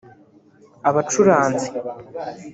abacuranzi